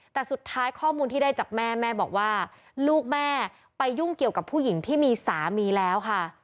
แต่สุดท้ายข้อมูลที่ได้จากแม่แม่บอกว่าลูกแม่ไปยุ่งเกี่ยวกับผู้หญิงที่มีสามีแล้วค่ะ